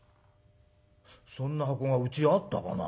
そんな箱がうちにあったかな？